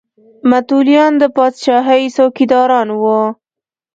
متولیان د پاچاهۍ څوکیداران وو.